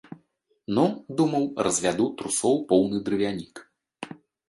Ну, думаў, развяду трусоў поўны дрывянік.